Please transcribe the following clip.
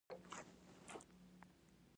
ما ورته وویل چې د دې د بریا لامل څه شی دی.